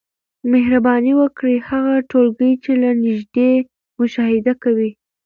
مهرباني وکړئ هغه ټولګي چي له نیژدې مشاهده کوی